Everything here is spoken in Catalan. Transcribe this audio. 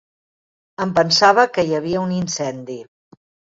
Em pensava que hi havia un incendi.